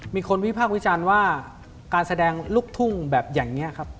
มีคนวิพากษ์วิจารณ์ว่าการแสดงลูกทุ่งแบบอย่างนี้ครับ